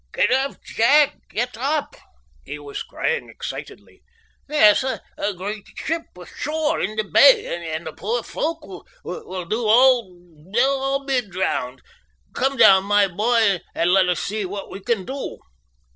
"Get up, Jack, get up!" he was crying excitedly. "There's a great ship ashore in the bay, and the poor folk will all be drowned. Come down, my boy, and let us see what we can do."